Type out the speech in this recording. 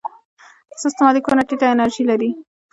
سست مالیکولونه ټیټه انرژي لري.